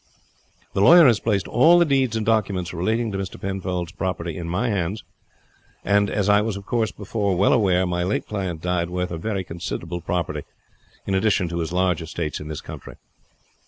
"The lawyer has placed all the deeds and documents relating to Mr. Penfold's property in my hands, and, as I was of course before well aware, my late client died worth a very considerable property in addition to his large estates in this country.